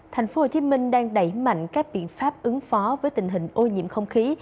thành phố hồ chí minh đang đẩy mạnh các biện pháp ứng phó với tình hình ô nhiễm không khí